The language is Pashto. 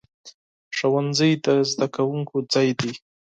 ښوونځی د زده کوونکو ځای دی.